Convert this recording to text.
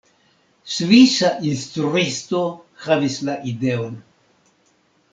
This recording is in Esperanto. Svisa instruisto havis la ideon.